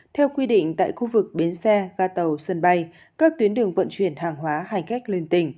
theo quy định tại khu vực bến xe ga tàu sân bay các tuyến đường vận chuyển hàng hóa hành khách liên tỉnh